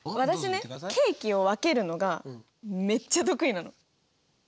私ねケーキを分けるのがめっちゃ得意なの。